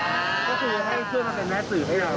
ก็จะมีแบบเพื่อนของเพื่อนมาถามบ้างเลย